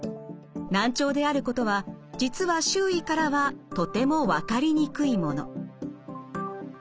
難聴であることは実は周囲からはとても分かりにくいもの。